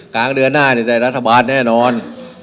กลางเดือนหน้าได้รัฐบาลแน่นอน